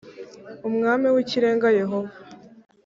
Umwami w Ikirenga Yehova